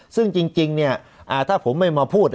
คือจริงเนี่ยถ้าผมไม่มาพูด